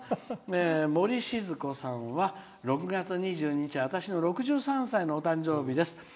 もりしずこさんは６月２２日は私の６３歳の誕生日です。